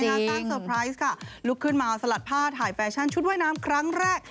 สร้างเซอร์ไพรส์ค่ะลุกขึ้นมาสลัดผ้าถ่ายแฟชั่นชุดว่ายน้ำครั้งแรก